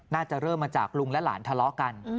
น่าจะเริ่มมาจากลุงและหลานทะเลาะกัน